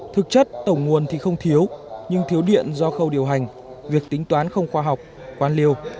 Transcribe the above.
thực chất tổng nguồn thì không thiếu nhưng thiếu điện do khâu điều hành việc tính toán không khoa học quan liêu